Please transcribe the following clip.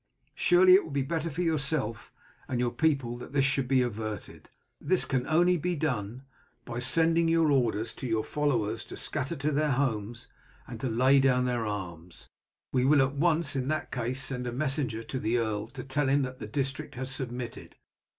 Surely it will be better for yourself and your people that this should be averted. This can only be done by your sending orders to your followers to scatter to their homes and to lay down their arms. We will at once in that case send a messenger to the earl to tell him that the district has submitted.